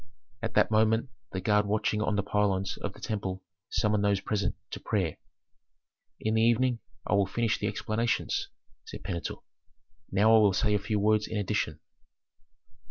At that moment the guard watching on the pylons of the temple summoned those present to prayer. "In the evening I will finish the explanations," said Pentuer; "now I will say a few words in addition.